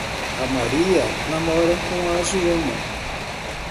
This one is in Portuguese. A Maria namora com a Joana